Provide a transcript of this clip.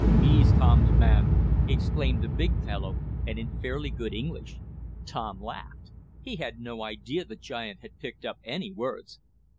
"Me Tom's man!" exclaimed the big fellow, and in fairly good English. Tom laughed. He had no idea the giant had picked up any words.